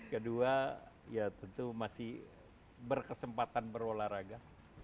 kedua ya tentu masih berkesempatan berolahraga